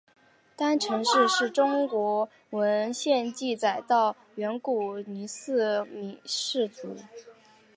彤城氏是中国文献记载到的远古姒姓氏族。